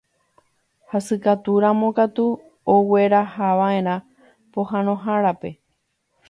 Hasykatúramo katu oguerahava'erã pohãnohárape.